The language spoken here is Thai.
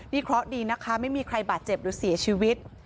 นี่เคราะห์ดีนะคะไม่มีใครบาดเจ็บหรือเสียชีวิต